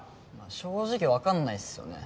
正直わかんないっすよね